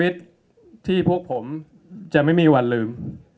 ที่พวกผมจะไม่มีวันลืม